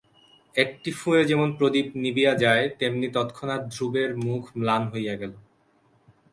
একটি ফুঁয়ে যেমন প্রদীপ নিবিয়া যায় তেমনি তৎক্ষণাৎ ধ্রুবের মুখ ম্লান হইয়া গেল।